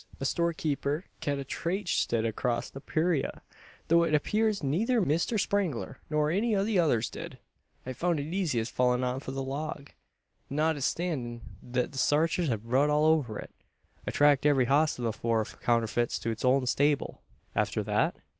A storekeeper ked a traced it acrost the purayra, though it appears neyther Mister Spangler nor any o' the others did. I foun' it eezy as fallin' off o' a log, not 'ithstandin' thet the sarchers had rud all over it. I tracked every hoss o' the four counterfits to his own stable." "After that?"